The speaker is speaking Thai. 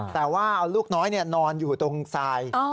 แต่ว่าเอาลูกน้อยนอนอยู่ตรงทราย